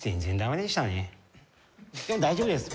でも大丈夫です。